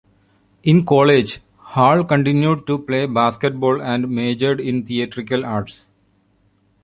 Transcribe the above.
In college, Hall continued to play basketball and majored in Theatrical Arts.